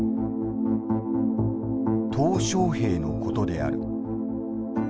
小平のことである。